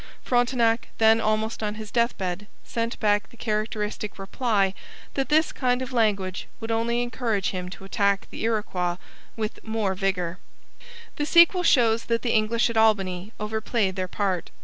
Frontenac, then almost on his death bed, sent back the characteristic reply that this kind of language would only encourage him to attack the Iroquois with the more vigour. The sequel shows that the English at Albany overplayed their part.